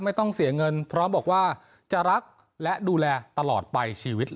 ไม่ต้องเสียเงินพร้อมบอกว่าจะรักและดูแลตลอดไปชีวิต